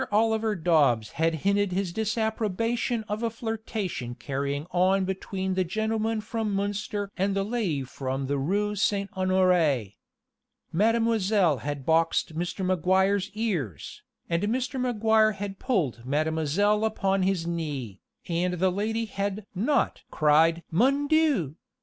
Oliver Dobbs had hinted his disapprobation of a flirtation carrying on between the gentleman from Munster and the lady from the Rue St. Honoré. Mademoiselle had boxed Mr. Maguire's ears, and Mr. Maguire had pulled Mademoiselle upon his knee, and the lady had not cried Mon Dieu!